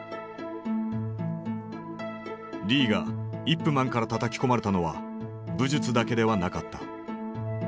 リーがイップ・マンからたたき込まれたのは武術だけではなかった。